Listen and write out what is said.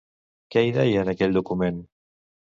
Què hi deia a aquell document?